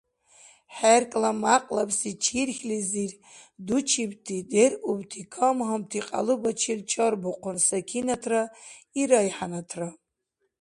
ХӀеркӀла мякьлабси чирхьлизир дучибти деръубти кам-гьамти кьялубачил чарбухъун Сакинатра ИрайхӀянатра.